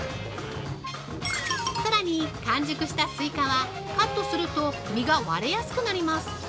さらに完熟したスイカはカットすると実が割れやすくなります。